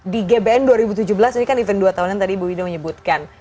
di gbn dua ribu tujuh belas ini kan event dua tahunan tadi ibu wido menyebutkan